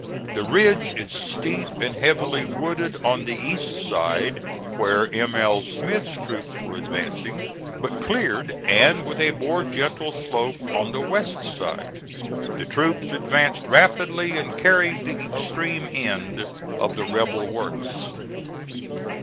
The ridge is steep and heavily wooded on the east side, where M. L. Smith's troops were advancing, but cleared and with a more gentle slope on the west side. The troops advanced rapidly and carried the extreme end of the rebel works.